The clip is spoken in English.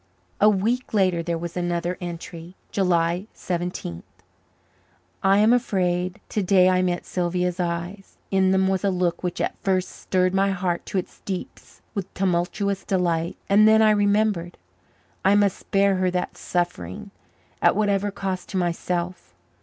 A week later there was another entry: July Seventeenth. I am afraid. To day I met Sylvia's eyes. In them was a look which at first stirred my heart to its deeps with tumultuous delight, and then I remembered. I must spare her that suffering, at whatever cost to myself.